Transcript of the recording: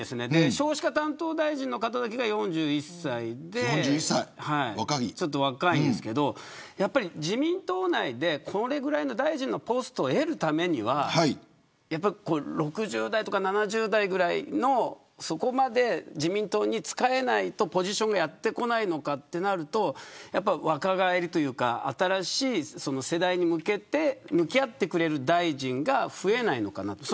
少子化担当大臣の方だけが４１歳でちょっと若いんですけれどやっぱり、自民党内でこれぐらいの大臣のポストを得るためには６０代とか７０代ぐらいのそこまで自民党に仕えないとポジションがやってこないのかとなると若返りというか新しい世代に向けて向き合ってくれる大臣が増えないのかなと。